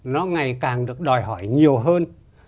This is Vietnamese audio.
nó ngày càng được đòi hỏi nhiều hơn